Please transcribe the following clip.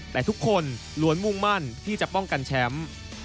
แต่ทุกคนล้วนมุ่งมั่นที่จะป้องกันแชมป์